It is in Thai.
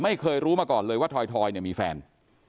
ไม่เคยรู้มาก่อนเลยว่าทอยเนี่ยมีแฟน